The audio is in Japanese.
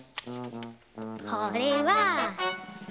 これは。